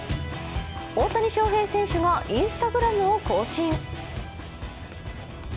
大谷翔平選手がＩｎｓｔａｇｒａｍを更新。